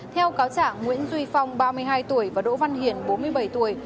theo cáo trả nguyễn duy phong ba mươi hai tuổi và đỗ văn hiển bốn mươi bảy tuổi